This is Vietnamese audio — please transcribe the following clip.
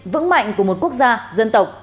vững mạnh của một quốc gia dân tộc